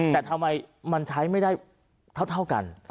แต่ทำไมมันใช้ไม่ได้เท่ากัน